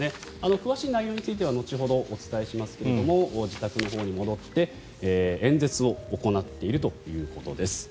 詳しい内容については後ほどお伝えしますが自宅のほうに戻って演説を行っているということです。